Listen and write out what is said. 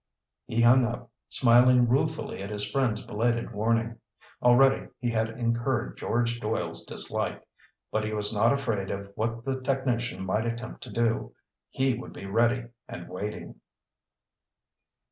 He hung up, smiling ruefully at his friend's belated warning. Already he had incurred George Doyle's dislike. But he was not afraid of what the technician might attempt to do. He would be ready and waiting.